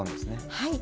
はい。